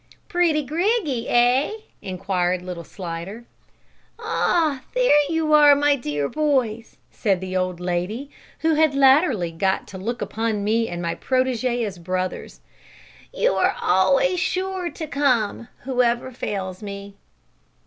"Pretty griggy eh?" inquired little Slidder. "Ah! there you are, my dear boys," said the old lady, who had latterly got to look upon me and my protege as brothers. "You are always sure to come, whoever fails me."